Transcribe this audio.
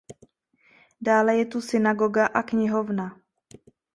Dále je tu synagoga a knihovna.